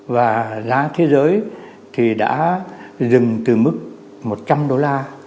và giá thế giới thì đã dừng từ mức một trăm linh đô la